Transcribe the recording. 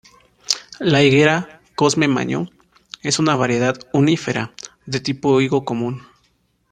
La higuera 'Cosme Maño' es una variedad "unífera" de tipo higo común.